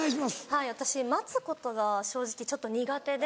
はい私待つことが正直ちょっと苦手で。